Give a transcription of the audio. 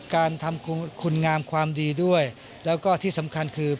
การทำคุณงามความดีด้วยแล้วก็ที่สำคัญคือ